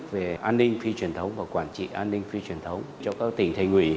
về an ninh phi truyền thống và quản trị an ninh phi truyền thống cho các tỉnh thầy ngụy